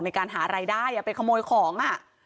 ในการหารายได้ไปขโมยของอ่ะ